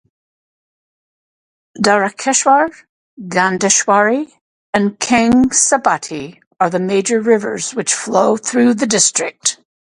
Darakeshwar, Gandheswari and Kangsabati are the major rivers flow through the district.